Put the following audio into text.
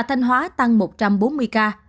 thành hóa tăng một trăm bốn mươi ca